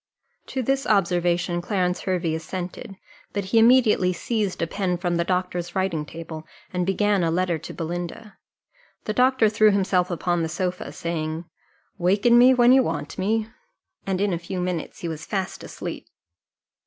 To this observation Clarence Hervey assented; but he immediately seized a pen from the doctor's writing table, and began a letter to Belinda. The doctor threw himself upon the sofa, saying, "Waken me when you want me," and in a few minutes he was fast asleep.